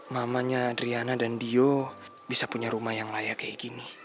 mamanya driana dan dio bisa punya rumah yang layak kayak gini